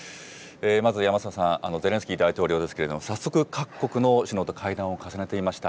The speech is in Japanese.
まず山澤さん、ゼレンスキー大統領ですけれども、早速、各国の首脳と会談を重ねていました。